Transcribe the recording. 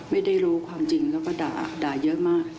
ไม่ได้รู้ความจริงแล้วก็ด่าเยอะมาก